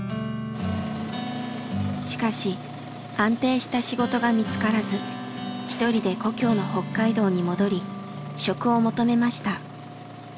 しかし安定した仕事が見つからず一人で故郷の北海道に戻り職を求めました。